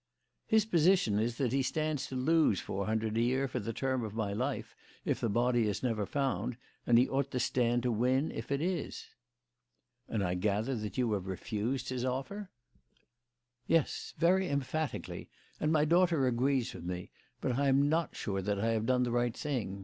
"His position is that he stands to lose four hundred a year for the term of my life if the body is never found, and he ought to stand to win if it is." "And I gather that you have refused his offer?" "Yes; very emphatically, and my daughter agrees with me; but I am not sure that I have done the right thing.